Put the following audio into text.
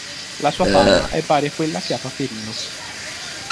La sua fama è pari a quella che ha Paperino.